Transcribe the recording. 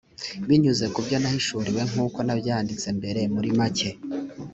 binyuze ku byo nahishuriwe nk uko nabyanditse mbere muri make